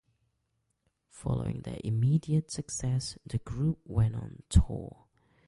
Following their immediate success, the group went on tour.